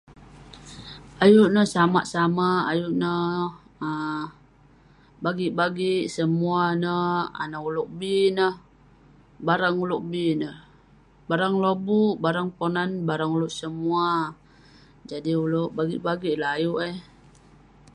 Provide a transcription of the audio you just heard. Ayuk neh samak-samak ineh um bagik-bagik semua ineh anah oluek bii ineh barang oluel bi ineh barang lobuk barang ponan barang oluek semua jadi oluek bagik eh ayuk ehh